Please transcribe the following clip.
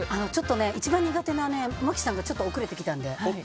一番苦手な麻貴さんがちょっと遅れてきたので。